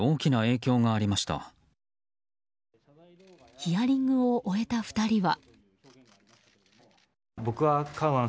ヒアリングを終えた２人は。